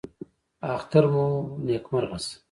اختر مو نیکمرغه شه